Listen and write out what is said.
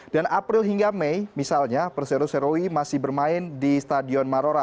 dan april hingga mei misalnya perseru serui masih bermain di stadion marora